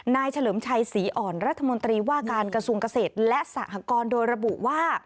เฉลิมชัยศรีอ่อนรัฐมนตรีว่าการกระทรวงเกษตรและสหกรโดยระบุว่า